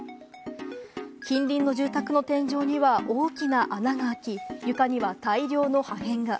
近隣の住宅の天井には大きな穴があき、床には大量の破片が。